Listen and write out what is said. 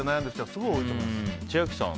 すごく多いと思います。